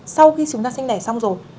sau khi chúng ta sinh đẻ xong rồi